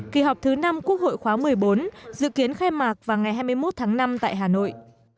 kỳ họp thứ năm quốc hội khóa một mươi bốn dự kiến khai mạc vào ngày hai mươi một tháng năm tại hà nội